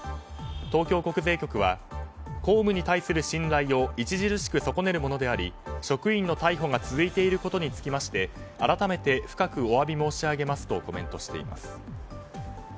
東京国税局は公務に対する信頼を著しく損ねるものであり職員の逮捕が続いていることにつきまして改めて深くお詫び申し上げますとコメントしています。